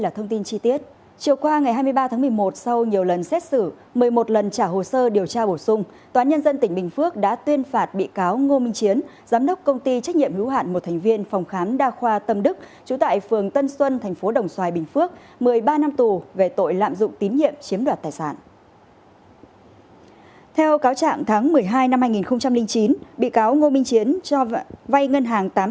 theo cáo trạng tháng một mươi hai năm hai nghìn chín bị cáo ngô minh chiến cho vay ngân hàng tám tỷ đồng do cần tiền để đáo hạn ngân hàng